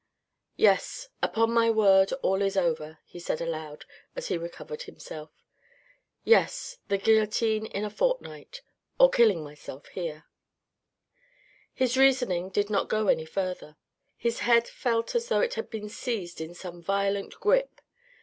" Yes, upon my word, all is over," he said aloud as he recovered himself. " Yes, the guillotine in a fortnight ... or killing myself here." His reasoning did not go any further. His head felt as though it had been seized in some violent grip.